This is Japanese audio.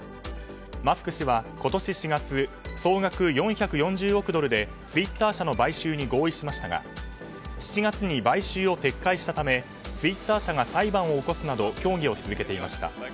マスク氏は今年４月総額４４０億ドルでツイッター社の買収に合意しましたが７月に買収を撤回したためツイッター社が裁判を起こすなど協議を続けていました。